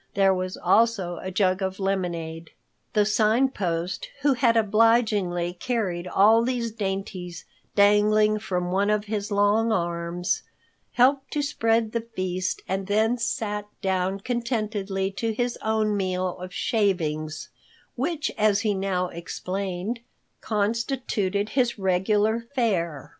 There was also a jug of lemonade. The Sign Post, who had obligingly carried all these dainties dangling from one of his long arms, helped to spread the feast and then sat down contentedly to his own meal of shavings, which, as he now explained, constituted his regular fare.